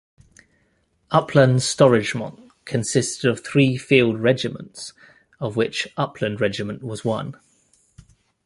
Upplands storregemente consisted of three field regiments, of which Uppland Regiment was one.